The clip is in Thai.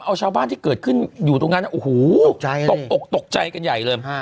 เอาชาวบ้านที่เกิดขึ้นอยู่ตรงนั้นโอ้โหตกอกตกใจกันใหญ่เลย